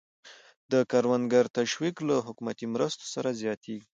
د کروندګرو تشویق له حکومتي مرستو سره زیاتېږي.